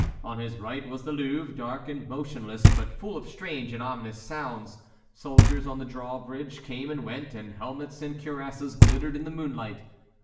On his right was the Louvre, dark and motionless, but full of strange and ominous sounds; soldiers on the drawbridge came and went, and helmets and cuirasses glittered in the moonlight.